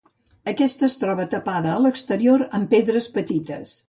Aquesta es troba tapada a l'exterior amb pedres petites.